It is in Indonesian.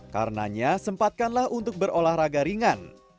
karenanya sempatkanlah untuk berolahraga ringan